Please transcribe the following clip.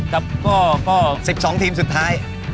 ก็ก็สิบสองทีมสุดท้าย